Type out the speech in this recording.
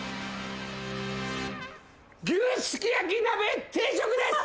牛すき焼き鍋定食です！